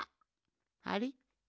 あれ？